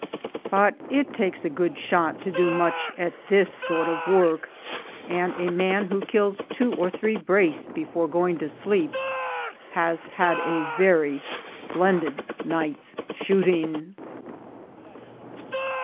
But it takes a good shot to do much at this sort of work, and a man who kills two or three brace before going to sleep has had a very splendid night's shooting.